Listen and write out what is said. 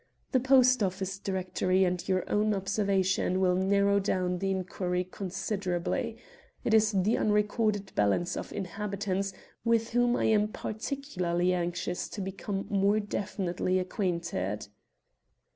The Post Office Directory and your own observation will narrow down the inquiry considerably. It is the unrecorded balance of inhabitants with whom I am particularly anxious to become more definitely acquainted."